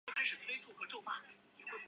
钝叶短柱茶为山茶科山茶属的植物。